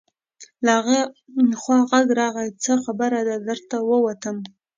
له هغې خوا غږ راغی: څه خبره ده، در ووتم.